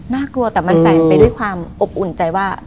น่ากลัวแต่มันแตกไปด้วยความอบอุ่นใจว่า